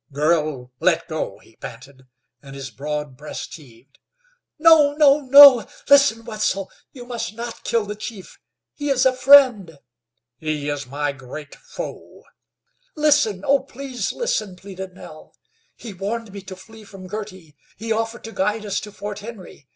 "Girl, let go!" he panted, and his broad breast heaved. "No, no, no! Listen, Wetzel, you must not kill the chief. He is a friend." "He is my great foe!" "Listen, oh! please listen!" pleaded Nell. "He warned me to flee from Girty; he offered to guide us to Fort Henry.